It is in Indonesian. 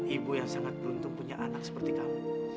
ibu yang sangat beruntung punya anak seperti kamu